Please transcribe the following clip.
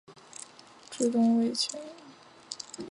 至东魏前属魏郡。